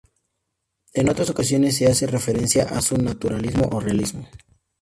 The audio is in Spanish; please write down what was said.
En otras ocasiones, se hace referencia a su naturalismo o realismo.